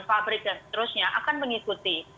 pabrik dan seterusnya akan mengikuti